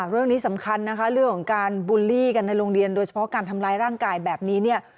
เรื่องนี้สำคัญนะคะเรื่องของการบูลลี่กันในโรงเรียนโดยเฉพาะการทำร้ายร่างกายแบบนี้เนี่ย